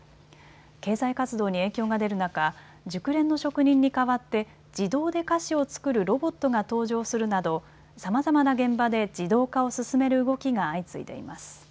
経済活動に影響が出る中、熟練の職人に代わって自動で菓子を作るロボットが登場するなどさまざまな現場で自動化を進める動きが相次いでいます。